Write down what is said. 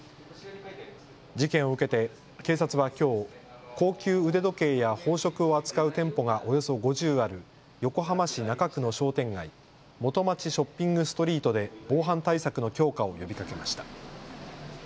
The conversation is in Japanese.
事件を受けて警察はきょう、高級腕時計や宝飾を扱う店舗がおよそ５０ある横浜市中区の商店街、元町ショッピングストリートで防犯対策の強化を呼びかけました。